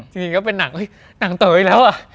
จริงก็เป็นหนังเฮ้ยหนังเต๋ออีกแล้วอะ